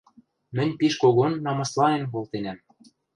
Мӹнь пиш когон намысланен колтенӓм.